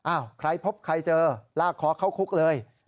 อ้าวใครพบใครเจอลากเคาะเข้าคุกเลย